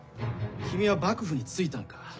君は幕府についたんか？